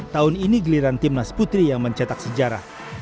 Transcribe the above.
tahun ini geliran timnas putri yang mencetak sejarah